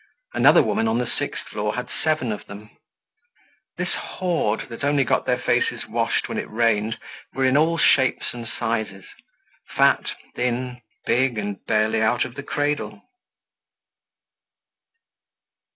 Another woman on the sixth floor had seven of them. This hoard that only got their faces washed when it rained were in all shapes and sizes, fat, thin, big and barely out of the cradle.